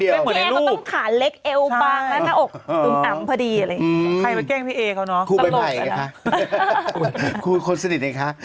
อยู่ไหน